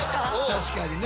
確かにね。